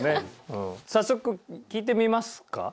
早速聴いてみますか？